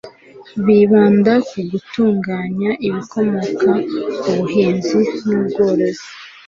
bibanda ku gutunganya ibikomoka ku buhinzi n' ubworozi